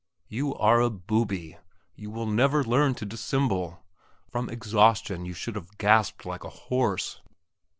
You are a booby; you will never learn to dissemble. From exhaustion, and you should have gasped like a horse.